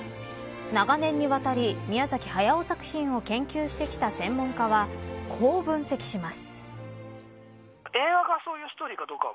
長年にわたり、宮崎駿作品を研究してきた専門家はこう分析します。